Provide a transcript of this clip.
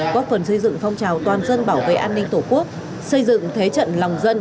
góp phần xây dựng phong trào toàn dân bảo vệ an ninh tổ quốc xây dựng thế trận lòng dân